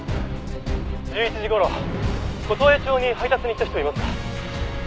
「１１時頃琴江町に配達に行った人いますか？」